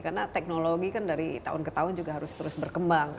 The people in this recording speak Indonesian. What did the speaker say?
karena teknologi kan dari tahun ke tahun juga harus terus berkembang